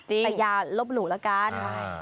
แต่อย่าลบหลู่ละกัน